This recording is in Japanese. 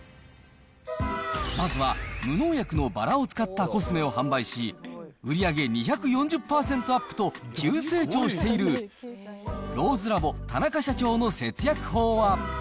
まずは無農薬のバラを使ったコスメを販売し、売り上げ２４０％アップと急成長しているローズラボ、田中社長の節約法は。